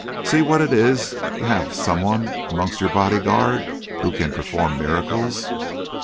"See what it is to have some one amongst your bodyguard who can perform miracles!"